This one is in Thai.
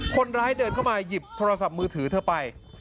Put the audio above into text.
คนร้ายเดินเข้ามาหยิบโทรศัพท์มือถือเธอไป